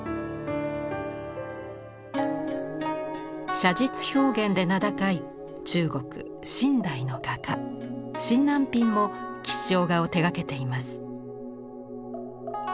写実表現で名高い中国・清代の画家沈南蘋も吉祥画を手がけています。